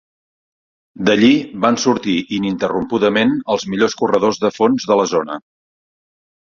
D'allí van sortir ininterrompudament els millor corredors de fons de la zona.